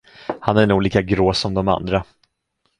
Han är nog lika grå som de andra.